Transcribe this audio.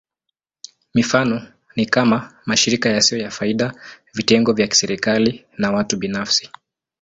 Mifano ni kama: mashirika yasiyo ya faida, vitengo vya kiserikali, na watu binafsi.